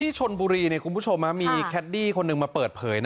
ชนบุรีคุณผู้ชมมีแคดดี้คนหนึ่งมาเปิดเผย